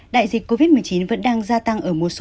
đại dịch covid một mươi chín vẫn đang gia tăng ở một số quốc gia